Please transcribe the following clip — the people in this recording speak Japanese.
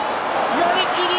寄り切り。